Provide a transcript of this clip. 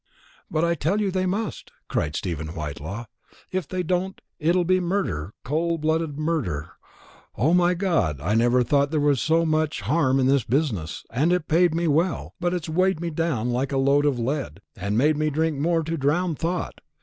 "But I tell you they must!" cried Stephen Whitelaw. "If they don't, it'll be murder cold blooded murder. O, my God, I never thought there was much harm in the business and it paid me well but it's weighed me down like a load of lead, and made me drink more to drown thought.